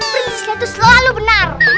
prinses liya itu selalu benar